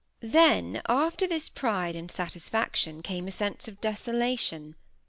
Then, after this pride and satisfaction, came a sense of desolation.